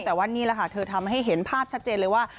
แต่ว่านี่แหละค่ะเธอทำให้เห็นภาพชัดเจนเลยว่า